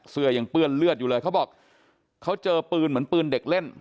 เสื้อยังเปื้อนเลือดอยู่เลยเขาบอกเขาเจอปืนเหมือนปืนเด็กเล่น